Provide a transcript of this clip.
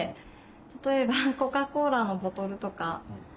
例えばコカコーラのボトルとか。